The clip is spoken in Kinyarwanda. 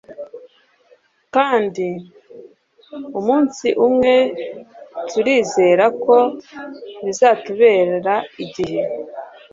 kandi umunsi umwe turizera ko bizatubera igihe